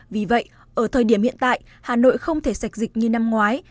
vì vậy ở thời điểm hiện tại hà nội không thể sạch dịch như năm ngoái